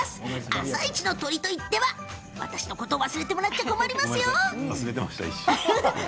「あさイチ」の鳥といったら私のことを忘れてしまっては困りますよ。